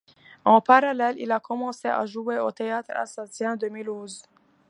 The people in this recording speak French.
En parallèle, il a commencé à jouer au Théâtre Alsacien de Mulhouse.